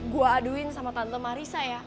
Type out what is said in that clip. gue aduin sama tante marisa ya